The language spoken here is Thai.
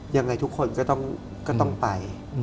ยังไงทุกคนก็ต้องไป